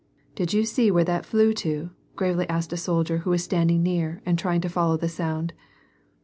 " Did you see where that flew to ?" gravely asked a .soldier who was standing near and trying to follow the sound.